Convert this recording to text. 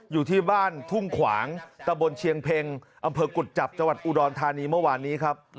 อยู่ที่บ้านทุ่งขวางตะบนเชียงเพ็งอำเภอกุจจับจังหวัดอุดรธานีเมื่อวานนี้ครับ